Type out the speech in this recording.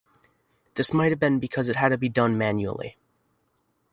This might have been because it had to be done manually.